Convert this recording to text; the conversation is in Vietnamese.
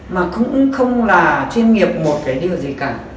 mà cũng không là chuyên nghiệp một cái điều gì cả